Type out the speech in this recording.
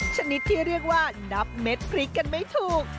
ชนิดที่เรียกว่านับเม็ดพริกกันไม่ถูก